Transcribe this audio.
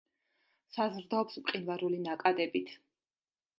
საზრდოობს მყინვარული ნაკადებით.